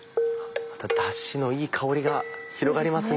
ダシのいい香りが広がりますね。